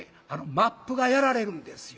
マップがやられるんですよ。